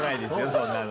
そんなの。